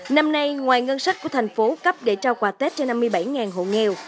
năm nay ngoài ngân sách của thành phố cấp để trao quà tết cho năm mươi bảy hộ nghèo